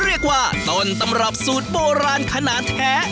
เรียกว่าต้นตำรับสูตรโบราณขนาดแท้